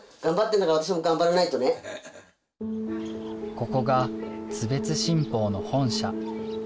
ここが津別新報の本社。